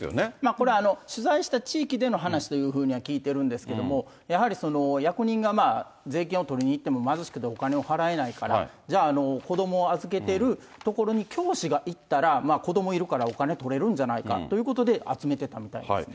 これ、取材した地域での話というふうには聞いてるんですけれども、やはり役人が税金を取りに行っても貧しくてお金を払えないから、じゃあ、子どもを預けてる所に教師が行ったら、子どもいるからお金取れるんじゃないかということで集めてたみたいですね。